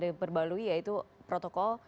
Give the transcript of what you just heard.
diperbalui yaitu protokol